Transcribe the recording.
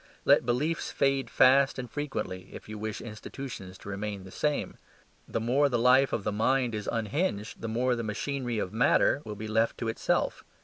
Let beliefs fade fast and frequently, if you wish institutions to remain the same. The more the life of the mind is unhinged, the more the machinery of matter will be left to itself.